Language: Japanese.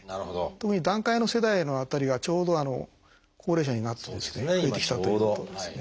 特に団塊の世代の辺りがちょうど高齢者になってですね増えてきたということですね。